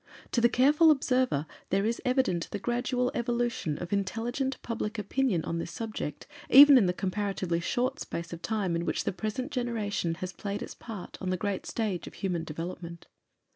To the careful observer there is evident the gradual evolution of intelligent public opinion on this subject even in the comparatively short space of time in which the present generation has played its part on the great stage of human development.